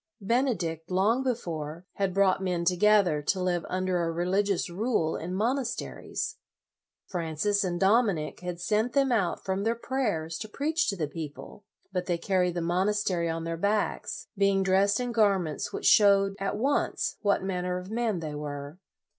Bene dict, long before, had brought men to gether to live under a religious rule in monasteries. Francis and Dominic had sent them out from their prayers to preach to the people, but they carried the monas tery on their backs, being dressed in gar ments which showed at once what man ner of men they were.